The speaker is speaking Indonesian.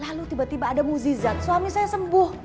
lalu tiba tiba ada muzizat suami saya sembuh